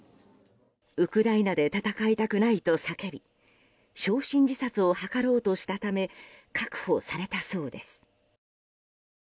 ウクライナで戦いたくないと叫び焼身自殺を図ろうとしたため確保されたそうです。